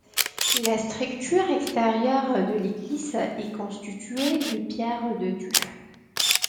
La structure extérieure de l'église est constituée de pierre de tuf.